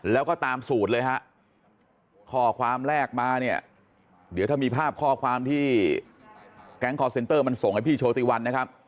แล้วก็ตามสูตรเลยฮะข้อความแรกมาเนี่ยเดี๋ยวถ้ามีภาพข้อความที่แก๊งคอร์เซ็นเตอร์มันส่งให้พี่โชติวันนะครับ